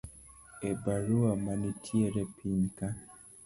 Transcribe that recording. e barua manitiere pinyka